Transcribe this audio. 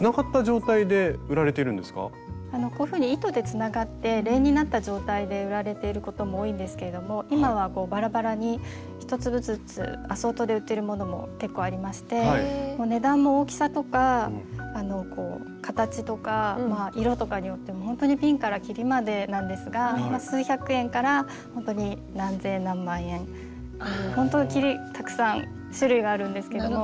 こういうふうに糸でつながって連になった状態で売られてることも多いんですけど今はバラバラに１粒ずつアソートで売ってるものも結構ありまして値段も大きさとか形とか色とかによってもほんとにピンからキリまでなんですが数百円からほんとに何千何万円というほんとキリたくさん種類があるんですけども。